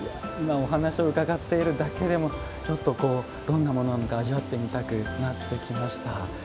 今お話を伺っているだけでもちょっとどんなものなのか味わってみたくなってきました。